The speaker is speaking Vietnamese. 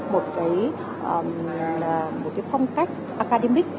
một cái phong cách academic